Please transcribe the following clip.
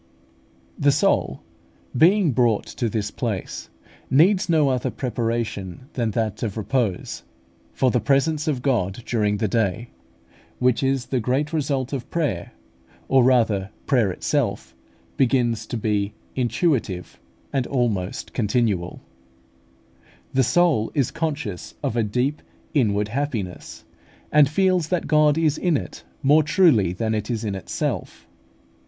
The soul, being brought to this place, needs no other preparation than that of repose: for the presence of God during the day, which is the great result of prayer, or rather prayer itself, begins to be intuitive and almost continual. The soul is conscious of a deep inward happiness, and feels that God is in it more truly than it is in itself.